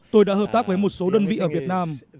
tôi đã hợp tác với một số đơn vị ở việt nam